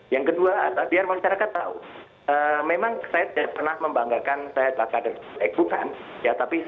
yang kedua biar masyarakat tahu memang saya tidak pernah membanggakan saya adalah kader eh bukan ya tapi